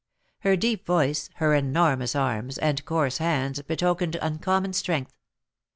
Her deep voice, her enormous arms, and coarse hands betokened uncommon strength.